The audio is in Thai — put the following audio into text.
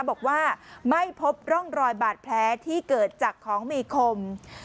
บอกว่าไม่พบร่องรอยบาดแผลที่เกิดจากของมีคม